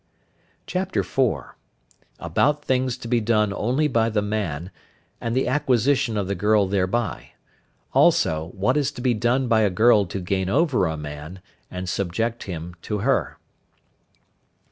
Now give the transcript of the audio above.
CHAPTER IV. ABOUT THINGS TO BE DONE ONLY BY THE MAN, AND THE ACQUISITION OF THE GIRL THEREBY. ALSO WHAT IS TO BE DONE BY A GIRL TO GAIN OVER A MAN, AND SUBJECT HIM TO HER.